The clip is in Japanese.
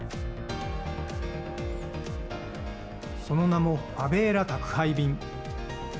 その名もファベーラ宅配便。